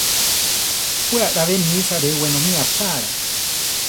We alábe nisa re wenómi achála.